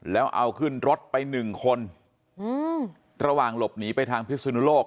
แล้วเอาขึ้นรถไปหนึ่งคนอืมระหว่างหลบหนีไปทางพิสุนุโลก